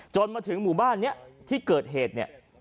มาถึงหมู่บ้านนี้ที่เกิดเหตุเนี่ย